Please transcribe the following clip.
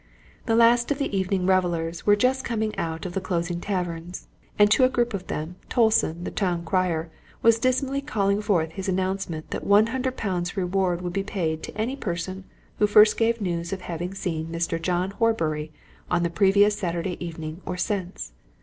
The last of the evening revellers were just coming out of the closing taverns, and to a group of them, Tolson, the town crier, was dismally calling forth his announcement that one hundred pounds reward would be paid to any person who first gave news of having seen Mr. John Horbury on the previous Saturday evening or since.